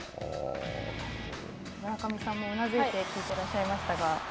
村上さんも、うなずいて聞いていらっしゃいましたが。